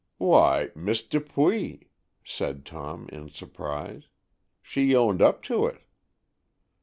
"Why, Miss Dupuy," said Tom, in surprise. "She owned up to it."